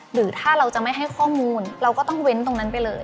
หรือถ้าเราจะไม่ให้ข้อมูลเราก็ต้องเว้นตรงนั้นไปเลย